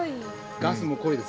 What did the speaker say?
ガスも濃いです。